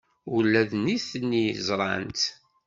Ula d nitni ẓran-tt.